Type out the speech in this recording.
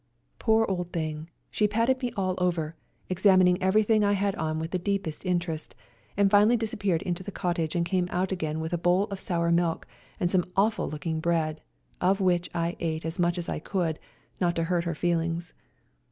Poor old thing, she patted me all over, examining everything I had on with the deepest interest, and finally disappeared into the cottage and came out again with a bowl of sour milk and some awful looking bread, of which I ate as much as I could, not to hurt her feel ings.